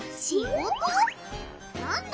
なんだ？